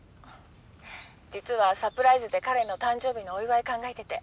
実はサプライズで彼の誕生日のお祝い考えてて。